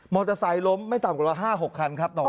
มอเตอร์ไซด์ล้มไม่ต่ำกว่า๕๖คันครับต่อมา